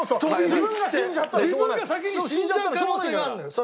自分が先に死んじゃう可能性があるのよ。